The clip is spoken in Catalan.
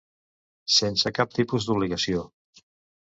Sense cap tipus d'obligació.